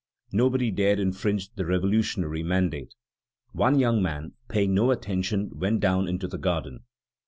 Nobody dared infringe the revolutionary mandate. One young man, paying no attention, went down into the garden.